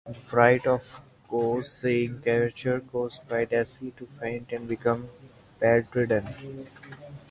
The fright of seeing the creature caused Dacy to faint and become bed-ridden.